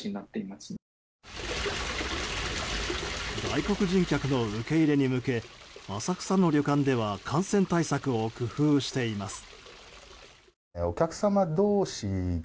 外国人客の受け入れに向け浅草の旅館では感染対策を工夫しています。